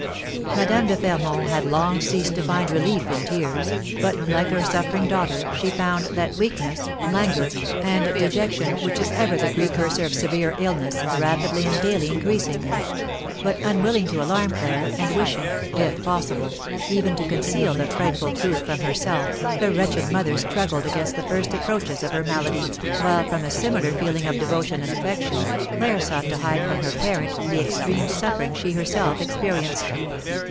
Madame de Fermont had long ceased to find relief in tears, but, like her suffering daughter, she found that weakness, languor, and dejection, which is ever the precursor of severe illness, rapidly and daily increasing; but, unwilling to alarm Claire, and wishing, if possible, even to conceal the frightful truth from herself, the wretched mother struggled against the first approaches of her malady, while, from a similar feeling of devotion and affection, Claire sought to hide from her parent the extreme suffering she herself experienced.